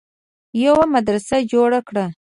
يوه مدرسه جوړه کړه